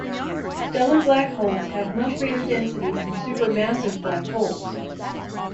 Stellar black holes have much greater densities than supermassive black holes.